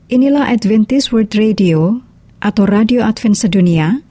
inilah adventist world radio atau radio advent sedunia